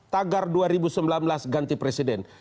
tagar dua ribu sembilan belas ganti presiden